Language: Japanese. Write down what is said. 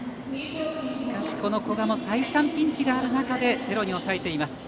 しかし、古賀も再三、ピンチがある中でゼロに抑えています。